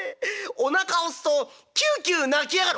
おなか押すとキュウキュウ鳴きやがる」。